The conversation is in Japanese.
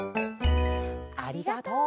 ありがとう。